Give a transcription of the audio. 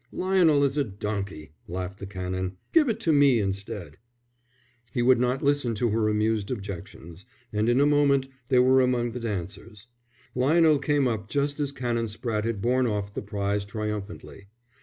"Lionel is a donkey," laughed the Canon. "Give it to me instead." He would not listen to her amused objections, and in a moment they were among the dancers. Lionel came up just as Canon Spratte had borne off the prize triumphantly.